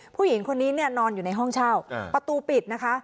ผู้หญิงคนนี้เนี่ยนอนอยู่ในห้องเช่าประตูปิดนะคะ